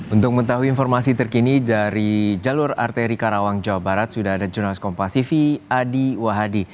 untuk mengetahui informasi terkini dari jalur arteri karawang jawa barat sudah ada jurnalis kompasifi adi wahadi